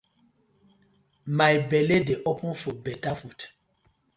My belle dey open for betta food.